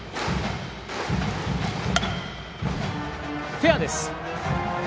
フェアです。